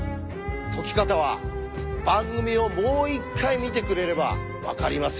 解き方は番組をもう一回見てくれればわかりますよ。